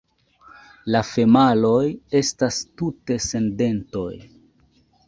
La femaloj estas tute sen dentoj.